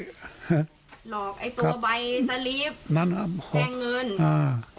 หลอกไอ้ตัวใบสลิฟต์แจ้งเงิน